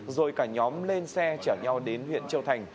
rồi cả nhóm lên xe chở nhau đến huyện châu thành